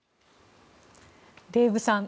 デーブさん